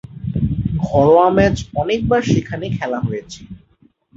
ঘরোয়া ম্যাচ অনেকবার সেখানে খেলা হয়েছে।